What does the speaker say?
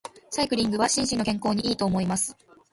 サイクリングは心身の健康に良いと思います。